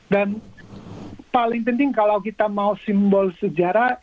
dan paling penting kalau kita mau simbol sejarah